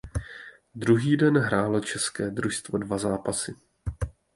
Druhý den hrálo české mužstvo dva zápasy.